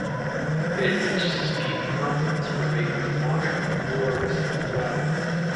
They reach steep mountains where the Islamic dwarves dwell.